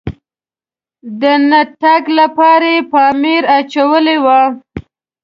د نه تګ لپاره یې پامپر اچولی و.